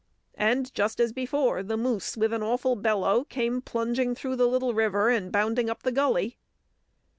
And just as before, the moose, with an awful bellow, came plunging through the little river and bounding up the gully.